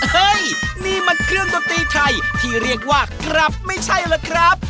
เฮ้ยนี่มันเครื่องดนตรีไทยที่เรียกว่ากลับไม่ใช่ล่ะครับ